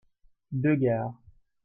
deux gares.